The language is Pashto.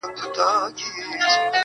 اوس مي بُتکده دزړه آباده ده,